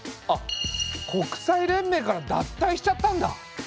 あっ国際連盟から脱退しちゃったんだ。